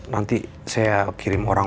nanti saya kirim orang